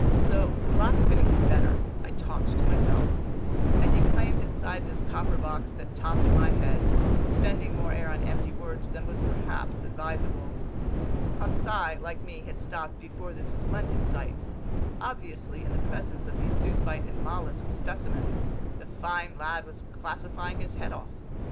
So, for lack of anything better, I talked to myself: I declaimed inside this copper box that topped my head, spending more air on empty words than was perhaps advisable. Conseil, like me, had stopped before this splendid sight. Obviously, in the presence of these zoophyte and mollusk specimens, the fine lad was classifying his head off.